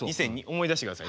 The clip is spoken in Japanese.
思い出してくださいね。